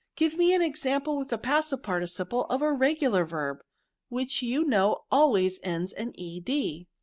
Give me an ex ample with a passive participle of a regular verb, which, you know, always ends in ed?